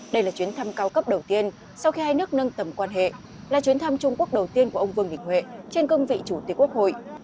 đây là chuyến thăm cao cấp đầu tiên sau khi hai nước nâng tầm quan hệ là chuyến thăm trung quốc đầu tiên của ông vương đình huệ trên cương vị chủ tịch quốc hội